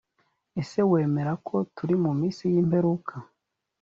ese wemera ko turi mu minsi y imperuka